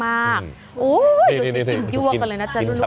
โอ้โหดูสิดิ่งยวกกันเลยนะจ๊ะลูกจ๋า